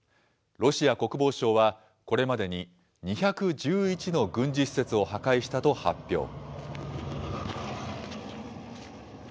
ロシア国防省は、これまでに２１１の軍事施設を破壊したと発表。